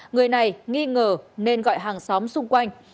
người này nghi ngờ nên gọi hàng xóm xung quanh